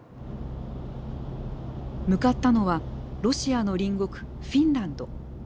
向かったのはロシアの隣国フィンランド。